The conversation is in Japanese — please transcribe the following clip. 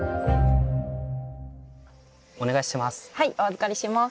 お願いします。